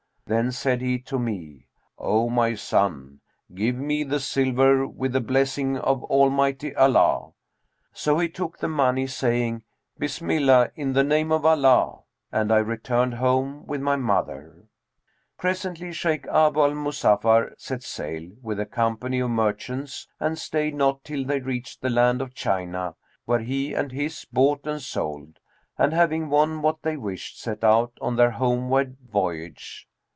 Then said he to me, 'O my son, give me the silver with the blessing of Almighty Allah!' So he took the money, saying, 'Bismillah in the name of Allah!' and I returned home with my mother. Presently Shaykh Abu al Muzaffar set sail, with a company of merchants, and stayed not till they reached the land of China, where he and his bought and sold; and, having won what they wished, set out on their homeward voyage.